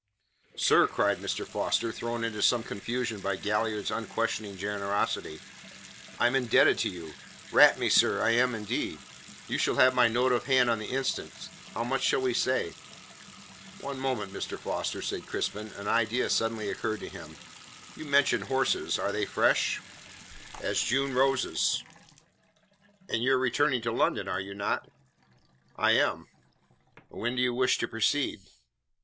"Sir," cried Mr. Foster, thrown into some confusion by Galliard's unquestioning generosity, "I am indebted to you. Rat me, sir, I am indeed. You shall have my note of hand on the instant. How much shall we say?" "One moment, Mr. Foster," said Crispin, an idea suddenly occurring to him. "You mentioned horses. Are they fresh?" "As June roses." "And you are returning to London, are you not?" "I am." "When do you wish to proceed?"